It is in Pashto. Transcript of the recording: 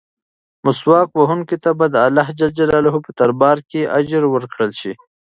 مسواک وهونکي ته به د اللهﷻ په دربار کې اجر ورکړل شي.